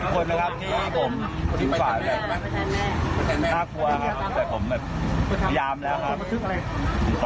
ขอโทษทุกคนนะครับที่ให้ผมชิงฝ่ามาก